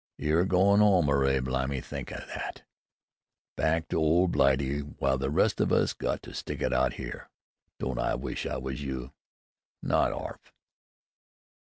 "You're a go'n' 'ome, 'Arry! Blimy! think o' that! Back to old Blightey w'ile the rest of us 'as got to stick it out 'ere! Don't I wish I was you! Not 'arf!"